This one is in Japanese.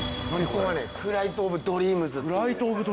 ここはねフライト・オブ・ドリームズ？